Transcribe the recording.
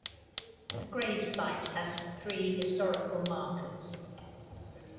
The gravesite has three historical markers.